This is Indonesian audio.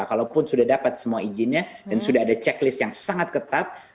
kalaupun sudah dapat semua izinnya dan sudah ada checklist yang sangat ketat